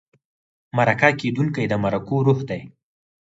مرکه کېدونکی د مرکو روح دی.